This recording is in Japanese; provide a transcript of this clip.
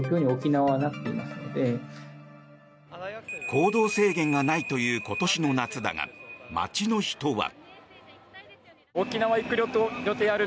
行動制限がないという今年の夏だが、街の人は。